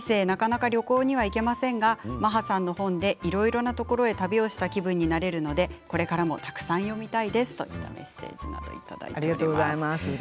なかなか旅行に行けませんが、マハさんの本でいろいろなところに旅をした気分になれるのでこれからもたくさん読みたいですとありがとうございます。